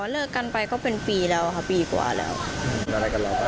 อ๋อเลิกกันไปก็เป็นปีแล้วค่ะปีกว่าแล้วอะไรกันแล้วคะ